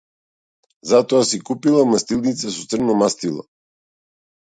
Затоа си купила мастилница со црно мастило.